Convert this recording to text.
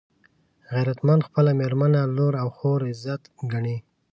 غیرتمند خپله مېرمنه، لور او خور عزت ګڼي